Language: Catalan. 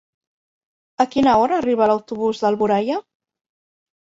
A quina hora arriba l'autobús d'Alboraia?